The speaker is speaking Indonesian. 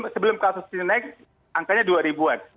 sebelum kasus ini naik angkanya dua ribu an